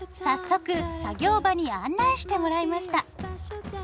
早速作業場に案内してもらいました。